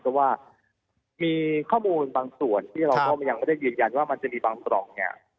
เพราะว่ามีข้อมูลบางส่วนที่เราก็ยังไม่ได้ยืนยันว่ามันจะมีบางปล่องเนี่ย